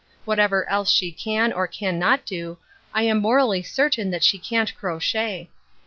Whatever else she can or can not do, I am morally certain that she can't crochet.